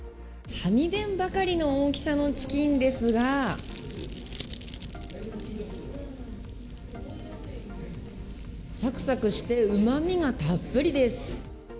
はみ出んばかりの大きさのチキンですがサクサクしてうまみがたっぷりです。